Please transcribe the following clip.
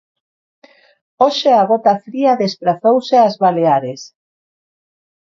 Hoxe a gota fría desprazouse ás Baleares.